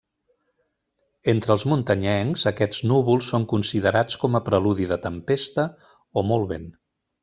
Entre els muntanyencs aquests núvols són considerats com a preludi de tempesta o molt vent.